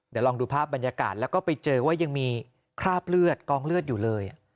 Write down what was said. เดี๋ยวลองดูภาพบรรยากาศแล้วก็ไปเจอว่ายังมีคราบเลือดกองเลือดอยู่เลย